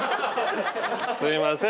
すいません。